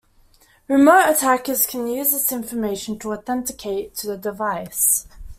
Remote attackers can use this information to authenticate to the device.